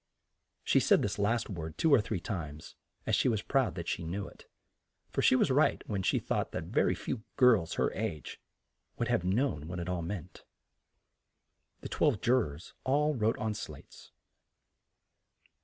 She said this last word two or three times as she was proud that she knew it; for she was right when she thought that few girls of her age would have known what it all meant. The twelve ju rors all wrote on slates.